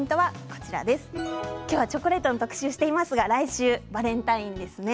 今日はチョコレートの特集していますが来週はバレンタインですね。